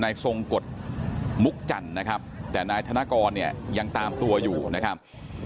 ทรงกฎมุกจันทร์นะครับแต่นายธนกรเนี่ยยังตามตัวอยู่นะครับ